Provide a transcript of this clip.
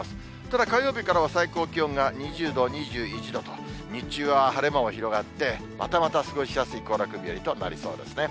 ただ火曜日からは最高気温が２０度、２１度と、日中は晴れ間も広がって、またまた過ごしやすい行楽日和となりそうですね。